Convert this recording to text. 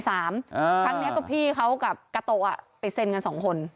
ครั้งนี้ก็พี่เขากับกาโตะไปเซ็นกันสองคน